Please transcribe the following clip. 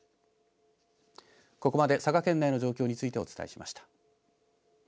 ここまで佐賀県内の状況についてお伝えしました。